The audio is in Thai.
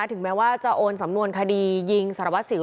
ถึงแม้ว่าจะโอนสำนวนคดียิงสารวัสสิว